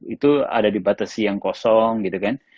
itu ada dibatasi yang kosong gitu kan